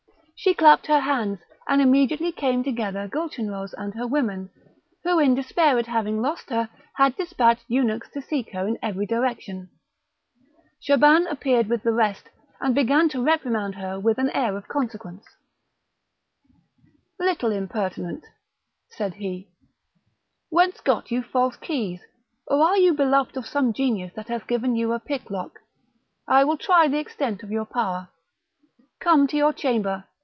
She clapped her hands, and immediately came together Gulchenrouz and her women, who, in despair at having lost her, had despatched eunuchs to seek her in every direction; Shaban appeared with the rest, and began to reprimand her with an air of consequence: "Little impertinent," said he, "whence got you false keys? or are you beloved of some Genius that hath given you a pick lock? I will try the extent of your power; come, to your chamber!